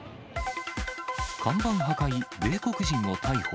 看板破壊、米国人を逮捕。